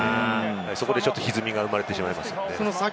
そこでひずみが生まれてしまいます。